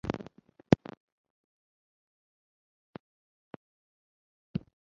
千叶新城最初曾规划建设都营地下铁新宿线本八幡站至此站的北千叶线。